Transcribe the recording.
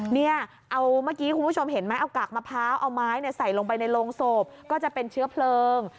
เนี่ยเอาเมื่อกี้คุณผู้ชมเห็นไหมเอากากมะพร้าวเอาไม้ใส่ลงไปในโรงศพก็จะเป็นเชื้อเพลิง